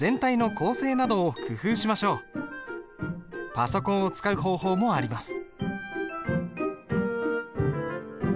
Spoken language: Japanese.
パソコンを使う方法もあります。